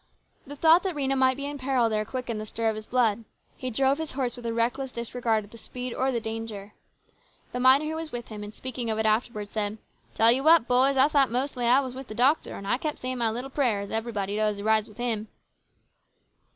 The thought that Rhena might be in peril there quickened the stir of his blood. He drove his horse with a reckless disregard of the speed or the danger. The miner who was with him, in speaking of it afterwards, said :" Tell you what, boys, I thought mostly I was with the doctor, and I kept saying my little prayer, as everybody does who rides with him."